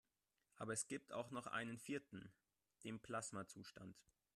Aber es gibt auch noch einen vierten: Den Plasmazustand.